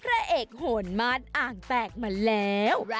พระเอกโหนม่านอ่างแตกมาแล้ว